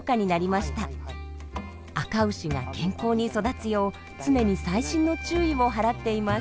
あかうしが健康に育つよう常に細心の注意を払っています。